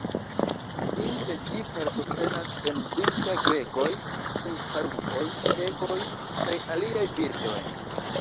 Vintre ĝi partoprenas en vintra-gregoj kun paruoj, pegoj, kaj aliaj birdoj.